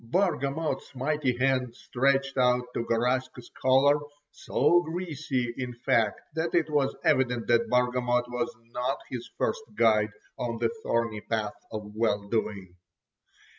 Bargamot's mighty hand stretched out to Garaska's collar, so greasy in fact that it was evident that Bargamot was not his first guide on the thorny path of well doing.